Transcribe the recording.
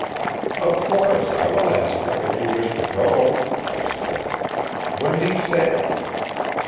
'Of course I will ask her if you wish to go,' I said. 'When do you sail?